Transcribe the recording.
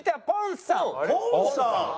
ポンさん！